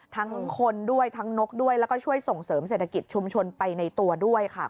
ทั้งคนด้วยทั้งนกด้วยแล้วก็ช่วยส่งเสริมเศรษฐกิจชุมชนไปในตัวด้วยค่ะ